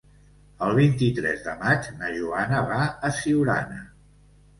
El vint-i-tres de maig na Joana va a Siurana.